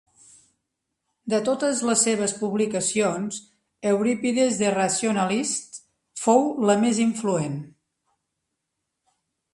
De totes les seves publicacions, "Euripides the Rationalist" fou la més influent.